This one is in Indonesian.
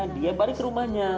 dia balik ke rumahnya